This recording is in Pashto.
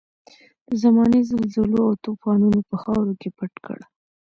د زمانې زلزلو او توپانونو په خاورو کې پټ کړ.